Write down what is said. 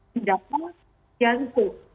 tindakan yang itu